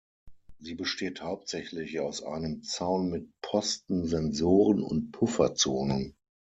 Sie besteht hauptsächlich aus einem Zaun mit Posten, Sensoren und Pufferzonen.